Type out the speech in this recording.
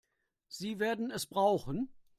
Sie werden es brauchen.